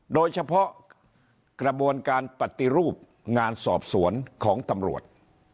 โดยเฉพาะกระบวนการปฏิรูปงานสอบสวนของตำรวจ